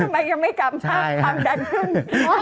ทำไมยังไม่กลับสักความดันขึ้น